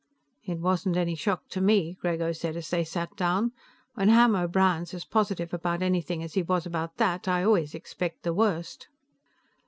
"It wasn't any shock to me," Grego said as they sat down. "When Ham O'Brien's as positive about anything as he was about that, I always expect the worst."